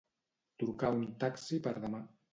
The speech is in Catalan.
Trucar un taxi per demà.